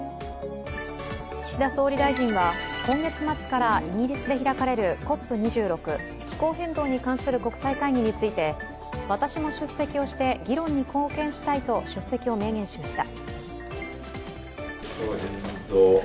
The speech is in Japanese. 岸田総理大臣は今月末からイギリスで開かれるＣＯＰ２６、気候変動に関する国際会議について私も出席をして議論に貢献したいと出席を明言しました。